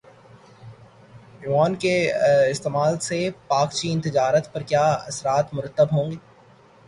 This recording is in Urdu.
یوان کے استعمال سے پاکچین تجارت پر کیا اثرات مرتب ہوں گے